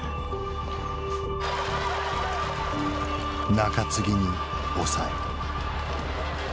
中継ぎに抑え。